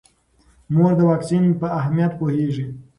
مور د واکسین په اهمیت پوهیږي.